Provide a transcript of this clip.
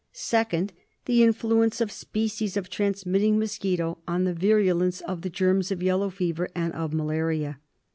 Second, the influence of species of transmitting mosquito on the virulence of the germs of yellow fever and of malaria.